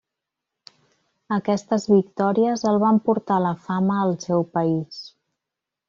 Aquestes victòries el van portar a la fama al seu país.